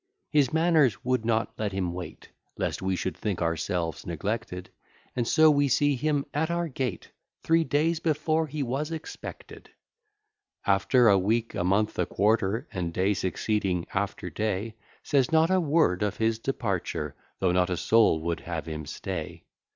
His manners would not let him wait, Lest we should think ourselves neglected, And so we see him at our gate Three days before he was expected, After a week, a month, a quarter, And day succeeding after day, Says not a word of his departure, Though not a soul would have him stay.